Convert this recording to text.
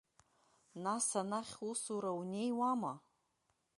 Нас анахь, усура унеиуама?